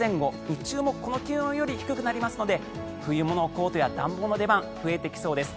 日中もこの気温より低くなりますので冬物コートや暖房の出番が増えてきそうです。